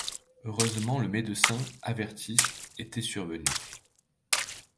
Heureusement le médecin, averti, était survenu.